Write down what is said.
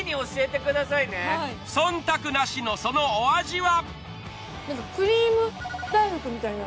そんたくなしのそのお味は？